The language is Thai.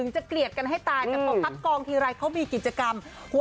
เจ้าแจ๊ะริมเจ้า